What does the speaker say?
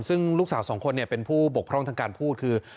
ซึ่งลูกสาวสองคนเป็นผู้บกพร่องทางการพูดคือ